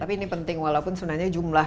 tapi ini penting walaupun sebenarnya jumlah